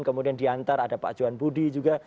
kemudian diantar ada pak johan budi juga